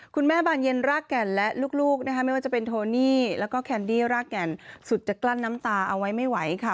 บานเย็นรากแก่นและลูกนะคะไม่ว่าจะเป็นโทนี่แล้วก็แคนดี้รากแก่นสุดจะกลั้นน้ำตาเอาไว้ไม่ไหวค่ะ